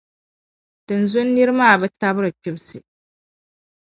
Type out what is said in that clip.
Tinzuŋ nira maa bi tibgiri kpibsi.